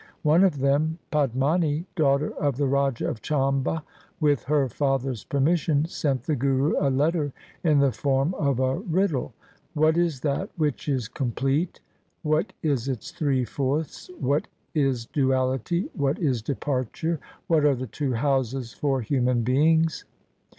One of them, Padmani, daughter of the Raja of Chamba, with her father's permission, sent the Guru a letter in the form of a riddle —' What is that which is com plete ? What is its three fourths ? What is duality ? What is departure ? What are the two houses for human beings